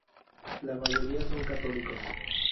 La mayoría son católicos.